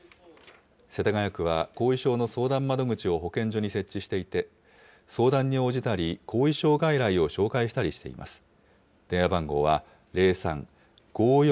世田谷区は後遺症の相談窓口を保健所に設置していて、相談に応じたり、後遺症外来を紹介したりしています。